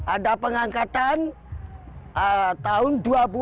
ada pengangkatan tahun dua ribu lima belas